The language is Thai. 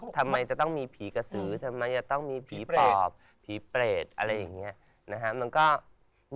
ทำไมจะต้องมีผีกระสือทำไมจะต้องมีผีปอบผีเปรตอะไรอย่างนี้นะฮะ